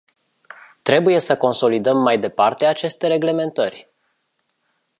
Trebuie să consolidăm mai departe aceste reglementări?